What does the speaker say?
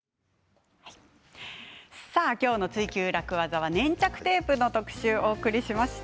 今日の「ツイＱ楽ワザ」は粘着テープの特集をお送りしました。